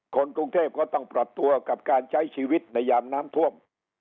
คนกรุงเทพก็ต้องปรับตัวกับการใช้ชีวิตในยามน้ำท่วม